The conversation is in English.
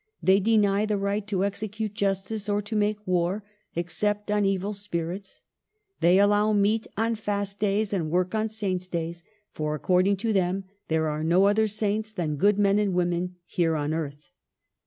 They deny the right to execute justice or to make war, except on evil spirits. They allow meat on fast days and work on Saints' days ; for, according to them, there are no other Saints than good men and women, here on earth.